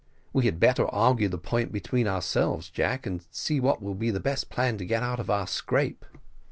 "We had better argue the point between ourselves, Jack, and see what will be the best plan to get out of our scrape."